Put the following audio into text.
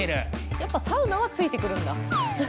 やっぱサウナは付いてくるんだ。